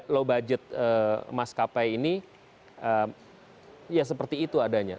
low budget emas kapai ini ya seperti itu adanya